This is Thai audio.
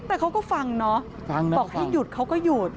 แต่เขาก็ฟังเนาะบอกให้หยุดเขาก็หยุด